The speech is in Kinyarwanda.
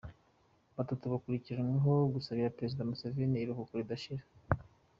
Batatu bakurikiranyweho gusabira Perezida Museveni ‘Iruhuko ridashira’.